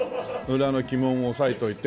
裏の鬼門を押さえといて。